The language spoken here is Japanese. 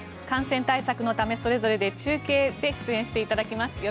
感染対策のため、それぞれ中継で出演していただきます。